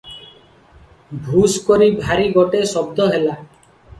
ଭୁଷ୍ କରି ଭାରି ଗୋଟାଏ ଶବ୍ଦ ହେଲା ।